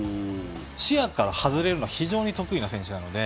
視野から外れるのが非常に得意な選手なので。